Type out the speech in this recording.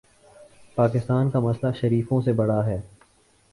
پاکستان کا مسئلہ شریفوں سے بڑا ہے۔